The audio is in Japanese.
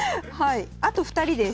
あと２人です。